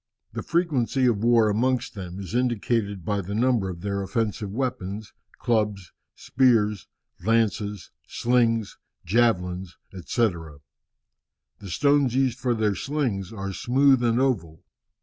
The frequency of war amongst them is indicated by the number of their offensive weapons, clubs, spears, lances, slings, javelins, &c. The stones used for their slings are smooth and oval.